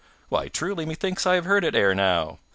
Why, truly, methinks I have heard it ere now.